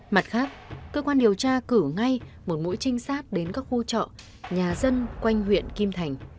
mặt khác cơ quan điều tra cử ngay một mũi trinh sát đến các khu trọ nhà dân quanh huyện kim thành